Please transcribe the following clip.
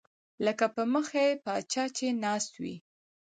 لکه پۍ مخی پاچا چې ناست وي